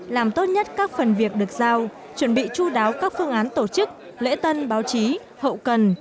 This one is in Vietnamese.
làm tốt nhất các phần việc được giao chuẩn bị chú đáo các phương án tổ chức lễ tân báo chí hậu cần